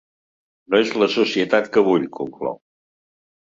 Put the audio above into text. No és la societat que vull, conclou.